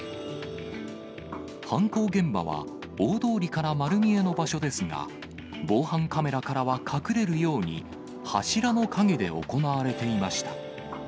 犯行現場は大通りから丸見えの場所ですが、防犯カメラからは隠れるように、柱の陰で行われていました。